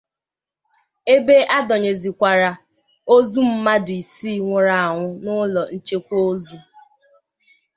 ebe a dọnyezịkwara ozu mmadụ isii nwụrụ anwụ n'ụlọ nchekwa ozu